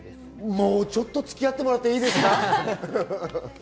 もうちょっとつき合ってもらっていいですか。